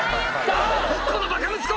このバカ息子！」